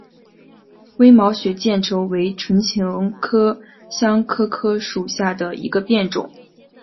微毛血见愁为唇形科香科科属下的一个变种。